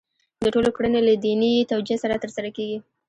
د ټولو کړنې له دیني توجیه سره ترسره کېږي.